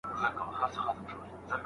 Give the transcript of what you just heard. د مغولو کړنې په تاریخ کي ثبت سوي دي.